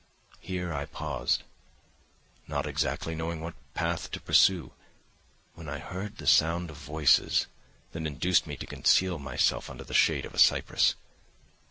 Here I paused, not exactly knowing what path to pursue, when I heard the sound of voices, that induced me to conceal myself under the shade of a cypress.